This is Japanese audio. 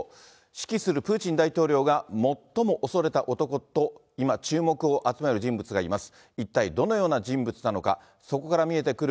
指揮するプーチン大統領が最も恐れた男と、今注目を集める人物がいます。